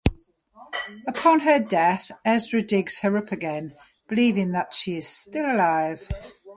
Upon her death, Ezra digs her up again, believing that she is still alive.